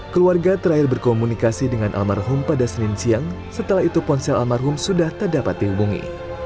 keluarga terakhir berkomunikasi dengan almarhum pada senin siang setelah itu ponsel almarhum sudah tak dapat dihubungi